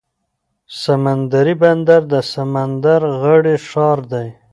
سمندري بندر د سمندر غاړې ښار دی.